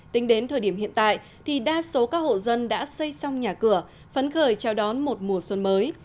tính đến thời điểm hiện tại thì đa số các hộ dân đã xây xong nhà cửa phấn khởi chào đón một mùa xuân mới